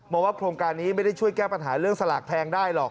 ว่าโครงการนี้ไม่ได้ช่วยแก้ปัญหาเรื่องสลากแพงได้หรอก